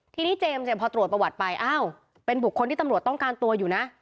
ทีนี้เจมส์เนี่ยพอตรวจประวัติไปอ้าวเป็นบุคคลที่ตำรวจต้องการตัวอยู่นะ